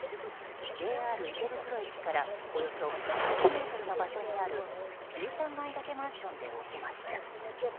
ＪＲ池袋駅からおよそ８００ｍの場所にある１３階建てマンションで起きました。